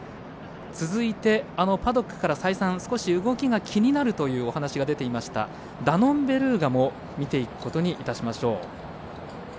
続いてパドックから再三少し動きが気になるというお話が出ていましたダノンベルーガも見ていくことにいたしましょう。